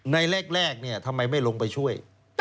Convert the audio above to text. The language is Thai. แรกทำไมไม่ลงไปช่วย